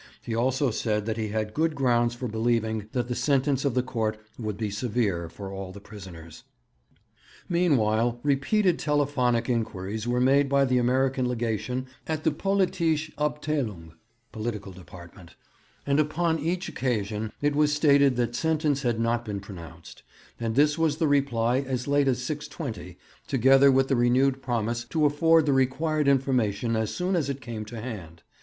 He also said that he had good grounds for believing that the sentence of the court would be severe for all the prisoners. Meanwhile repeated telephonic inquiries were made by the American Legation at the Politische Abteilung (Political Department), and upon each occasion it was stated that sentence had not been pronounced; and this was the reply as late as 6.20, together with the renewed promise to afford the required information as soon as it came to hand.